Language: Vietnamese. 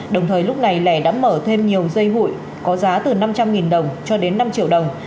đồng thời lúc này lẻ đã mở thêm nhiều dây hụi có giá từ năm trăm linh đồng cho đến năm triệu đồng